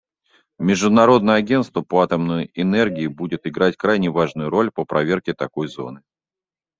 Международное агентство по атомной энергии будет играть крайне важную роль по проверке такой зоны.